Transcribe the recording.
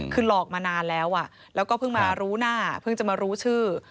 คือหลอกมานานแล้วแล้วก็เพิ่งมารู้หน้าเพิ่งจะมารู้ชื่อ